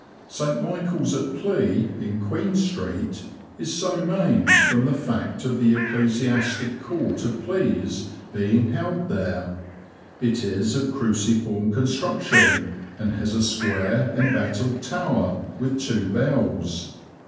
St. Michael's at Plea, in Queen Street, is so named from the fact of the Ecclesiastic Court of Pleas being held there. It is of cruciform construction, and has a square, embattled tower, with two bells.